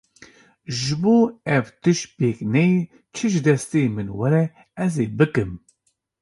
Ji bo ev tişt pêk neyê çi ji destên min were ez ê bikim.